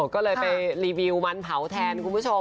ก็เลยไปรีวิวมันเผาแทนคุณผู้ชม